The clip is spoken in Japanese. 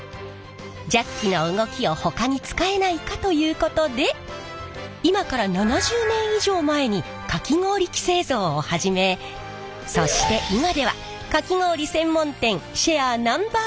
ジャッキの動きをほかに使えないかということで今から７０年以上前にかき氷機製造を始めそして今ではかき氷専門店シェアＮｏ．１の会社に。